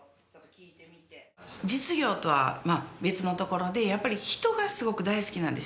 実業とは別のところでやっぱり人がすごく大好きなんですね。